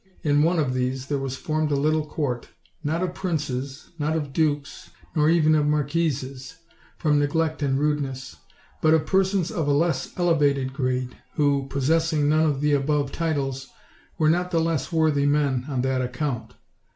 In one these there was formed a little court, not of princes, not of dukes, nor even of marquises (from all of these ranks the ladies had experienced too much neglect and rudeness), but of persons of a less elevated grade; who, possessing none of the above titles, were not the less worthy men on that account.